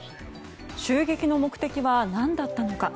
襲撃の目的は何だったのか。